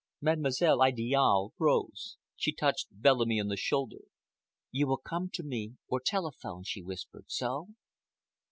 Mademoiselle Idiale rose. She touched Bellamy on the shoulder. "You will come to me, or telephone," she whispered. "So?"